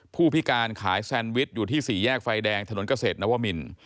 ผู้พิการขายแซนวิชอยู่ที่สี่แยกไฟแดงถนนเกษตรนวมิน